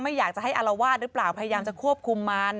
อยากจะให้อารวาสหรือเปล่าพยายามจะควบคุมมัน